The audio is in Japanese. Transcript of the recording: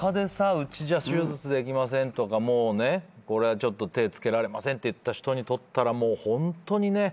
「うちじゃ手術できません」とか「これはちょっと手つけられません」っていった人にとったらもうホントにね。